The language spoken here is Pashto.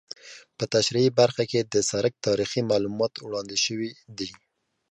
په تشریحي برخه کې د سرک تاریخي معلومات وړاندې شوي دي